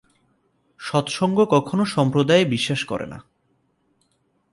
সৎসঙ্গ কখনো সম্প্রদায়ে বিশ্বাস করে না।